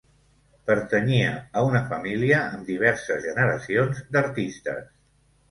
Pertanyia a una família amb diverses generacions d'artistes.